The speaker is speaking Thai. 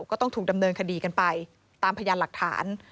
ก็ต้องถูกดำเนินคดีกันไปตามพยานหลักฐาน